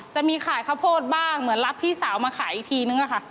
จะมีขายข้าวโพดบ้างเหมือนรับพี่สาวมาขายอีกทีนึงอะค่ะ